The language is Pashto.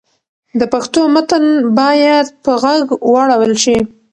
د پښتو متن باید په ږغ واړول شي.